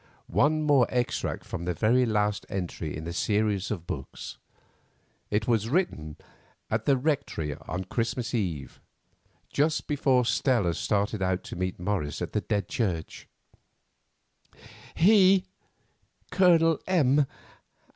One more extract from the very last entry in the series of books. It was written at the Rectory on Christmas Eve, just before Stella started out to meet Morris at the Dead Church: "He—Colonel M.